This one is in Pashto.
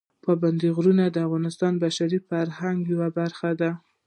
پابندي غرونه د افغانستان د بشري فرهنګ یوه برخه ده.